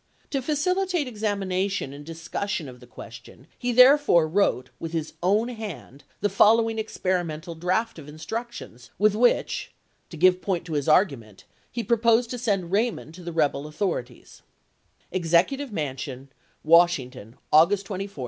To facili tate examination and discussion of the question, he therefore wrote with his own hand the following experimental draft of instructions, with which (to give point to his argument) he proposed to send Raymond to the rebel authorities: "Executive Mansion, "Washington, August 24, 1864.